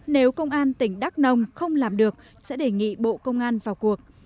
nếu công an tỉnh đắk nông không làm được sẽ đề nghị bộ công an vào cuộc